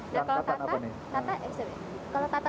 nah kalau tata sama cica gimana